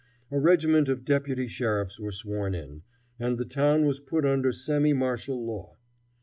A regiment of deputy sheriffs were sworn in, and the town was put under semi martial law.